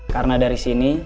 karena dari sini